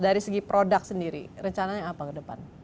dari segi produk sendiri rencananya apa ke depan